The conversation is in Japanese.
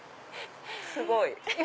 すごい。